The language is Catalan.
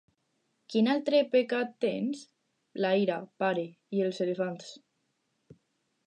—Quin altre pecat tens? —La ira, pare. I els elefants.